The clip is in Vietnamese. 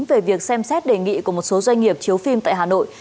về việc xem xét đề nghị của một số doanh nghiệp chiếu phim tại hà nội